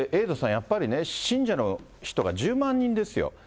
エイトさん、やっぱりね、信者の方が１０万人ですよ。